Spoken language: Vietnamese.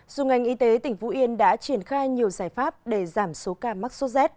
dù ngành y tế tỉnh vũ yên đã triển khai nhiều giải pháp để giảm số ca mắc số z